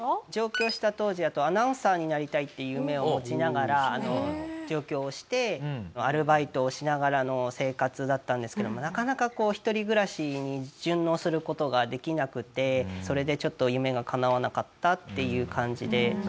上京した当時アナウンサーになりたいって夢を持ちながら上京してアルバイトをしながらの生活だったんですけどもなかなか１人暮らしに順応する事ができなくてそれでちょっと夢が叶わなかったっていう感じで。